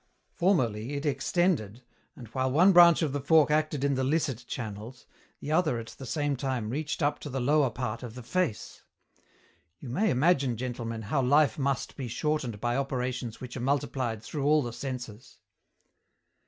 Formerly it extended, and while one branch of the fork acted in the licit channels, the other at the same time reached up to the lower part of the face. You may imagine, gentlemen, how life must be shortened by operations which are multiplied through all the senses."